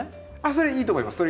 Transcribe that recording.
それいいと思います。